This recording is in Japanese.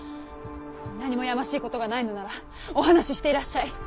何もやましいことがないのならお話ししていらっしゃい。